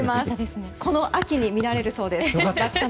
この秋に見られるそうです。